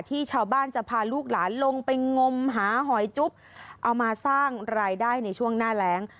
ที่ชาวบ้านจะพาลูกหลานลงไปงมหาหอยจุ๊บเอามาสร้างรายได้ในช่วงหน้าแรง